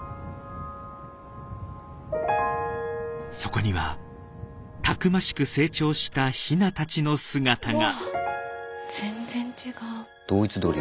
そこにはたくましく成長したヒナたちの姿が。